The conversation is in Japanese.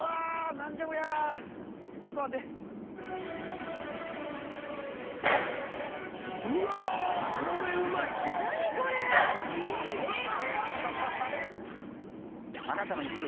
何じゃこりゃちょっと待ってうわこれうまい何これ・あっ！